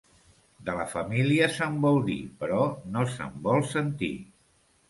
De la família se'n vol dir, però no se'n vol sentir.